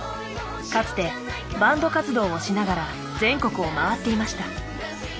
かつてバンド活動をしながら全国を回っていました。